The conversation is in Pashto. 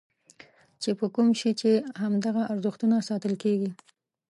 چې په کوم شي چې همدغه ارزښتونه ساتل کېږي.